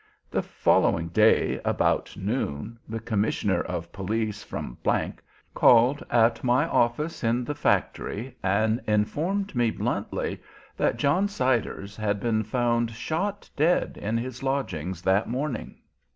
"The following day about noon, the Commissioner of Police from G called at my office in the factory, and informed me bluntly that John Siders had been found shot dead in his lodgings that morning.